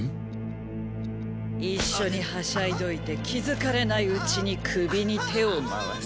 一緒にはしゃいどいて気付かれないうちに首に手を回す。